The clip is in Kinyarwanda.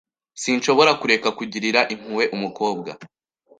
Sinshobora kureka kugirira impuhwe umukobwa.